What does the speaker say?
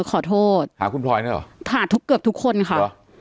ขอโทษหาคุณพลอยเนี่ยเหรอหาทุกเกือบทุกคนค่ะหรอ